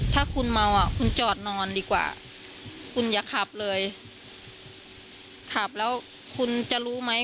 ถ้าคุณเมาอ่ะคุณจอดนอนดีกว่าคุณอย่าขับเลยขับแล้วคุณจะรู้ไหม